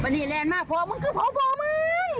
มานี่มานี่มึงคือพระพ่อมึง